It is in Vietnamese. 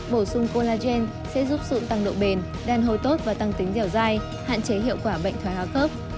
bổ sung collagen sẽ giúp sụn tăng độ bền đen hôi tốt và tăng tính dẻo dai hạn chế hiệu quả bệnh thoái hoa khớp